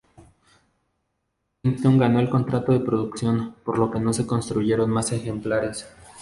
Stinson ganó el contrato de producción, por lo que no se construyeron más ejemplares.